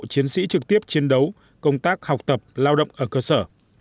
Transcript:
chiến sĩ trực tiếp chiến đấu công tác học tập lao động ở cơ sở